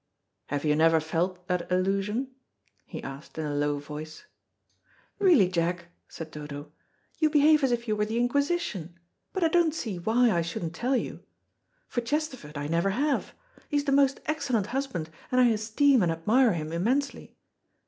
"Have you never felt that illusion?" he asked, in a low voice. "Really, Jack," said Dodo, "you behave as if you were the inquisition. But I don't see why I shouldn't tell you. For Chesterford I never have. He is the most excellent husband, and I esteem and admire him immensely.